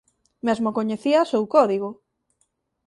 Mesmo coñecía o seu código.